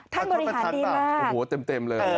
ท่านบริหารดีมากโอ้โฮเต็มเลย